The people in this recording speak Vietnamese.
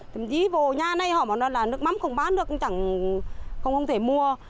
thậm chí vô nhà này họ nói là nước mắm không bán được chẳng không thể mua